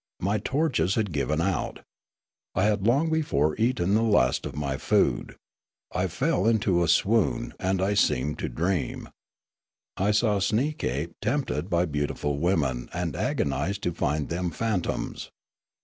My torches had given out. I had long before eaten the last of my food. I fell into a swoon, and I seemed to dream. I saw Sneekape tempted by beauti ful women and agonised to find them phantoms.